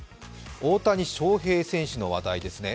大谷翔平選手の話題ですね。